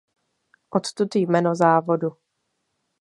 Odtud jméno závodu.